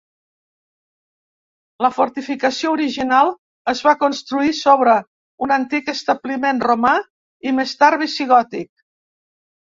La fortificació original es va construir sobre un antic establiment romà i més tard visigòtic.